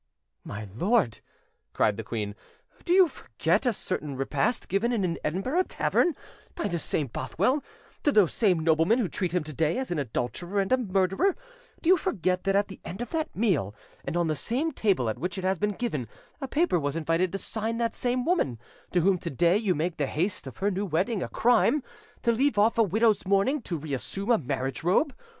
"My lord," cried the queen, "do you forget a certain repast given in an Edinburgh tavern, by this same Bothwell, to those same noblemen who treat him to day as an adulterer and a murderer; do you forget that at the end of that meal, and on the same table at which it had been given, a paper was signed to invite that same woman, to whom to day you make the haste of her new wedding a crime, to leave off a widow's mourning to reassume a marriage robe?